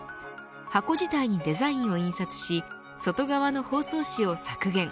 箱自体にデザインを印刷し外側の包装紙を削減。